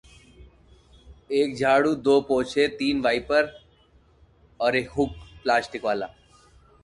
Haig was a regular player for producer-director Roger Corman.